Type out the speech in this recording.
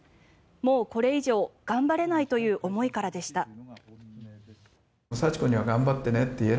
もうこれ以上、頑張れないという思いからでした。